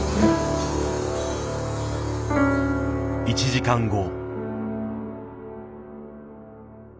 １時間後。